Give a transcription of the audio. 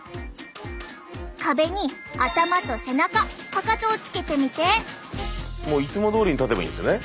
壁に頭と背中かかとをつけてみて！いつもどおりに立てばいいんですね。